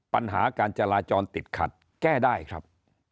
ปัญหาการจราจรติดขัดแก้ได้ครับ